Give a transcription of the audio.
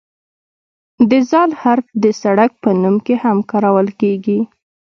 د "ذ" حرف د سړک په نوم کې هم کارول کیږي.